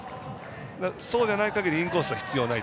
そうじゃない限りインコースは必要ない。